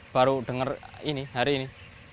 baru dengar hari ini